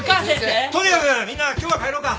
とにかくみんな今日は帰ろうか。